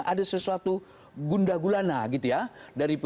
ada sesuatu gunda gulana gitu ya